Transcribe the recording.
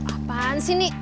apaan sih ini